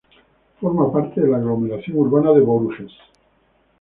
Forma parte de la aglomeración urbana de Bourges.